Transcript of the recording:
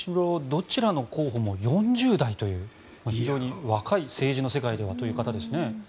どちらの候補も４０代という非常に若い、政治の世界ではという方ですね。